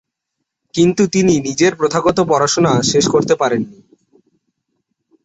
কিন্তু তিনি নিজের প্রথাগত পড়াশোনা শেষ করতে পারেন নি।